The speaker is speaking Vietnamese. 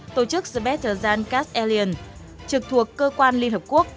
tổ chức the better than cast alien trực thuộc cơ quan liên hợp quốc